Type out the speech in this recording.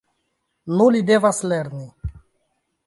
Nu li devas lerni!